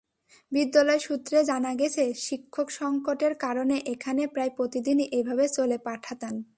বিদ্যালয় সূত্রে জানা গেছে, শিক্ষকসংকটের কারণে এখানে প্রায় প্রতিদিনই এভাবে চলে পাঠদান।